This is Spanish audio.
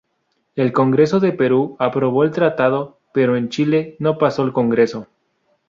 El Congreso de Perú aprobó el tratado, pero en Chile no pasó el congreso.